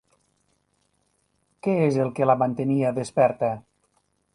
Què és el que la mantenia desperta?